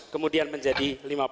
kemudian menjadi lima puluh